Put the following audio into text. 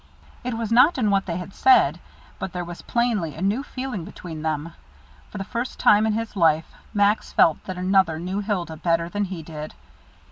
It was not in what they had said, but there was plainly a new feeling between them. For the first time in his life, Max felt that another knew Hilda better than he did.